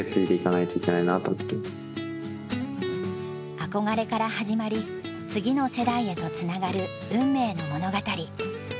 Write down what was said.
憧れから始まり次の世代へとつながる運命の物語。